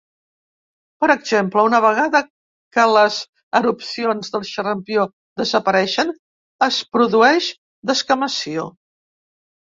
Per exemple, una vegada que les erupcions del xarampió desapareixen, es produeix descamació.